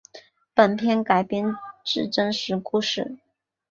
本片改编自真实故事。